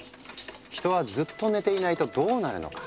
「人はずっと寝ていないとどうなるのか？」